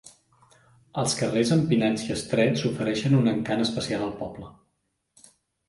Els carrers empinats i estrets ofereixen un encant especial al poble.